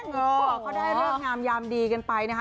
เขาได้เลิกงามยามดีกันไปนะคะ